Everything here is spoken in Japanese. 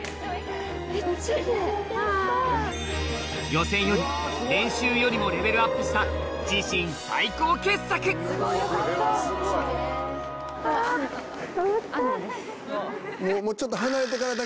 予選より練習よりもレベルアップした自身最高傑作終わった。